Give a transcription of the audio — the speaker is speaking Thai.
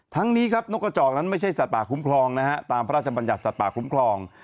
ทั้งนี้ครับนกกระจอกนั้นไม่ใช่สัตว์ป่าคุ้มครองนะฮะตามพระราชบัญญัติสัตว์ป่าคุ้มครอง